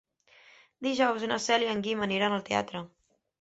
Dijous na Cel i en Guim aniran al teatre.